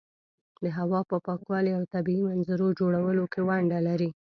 د هوا په پاکوالي او طبیعي منظرو جوړولو کې ونډه لري.